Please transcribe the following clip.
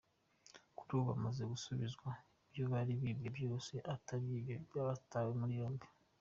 Kuri ubu, bamaze gusubizwa ibyo bari bibwe byose ababyibye batabwa muri yombi.